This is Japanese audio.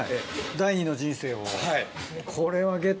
第２の人生を。